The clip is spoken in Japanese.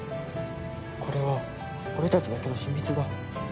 これは俺たちだけの秘密だ。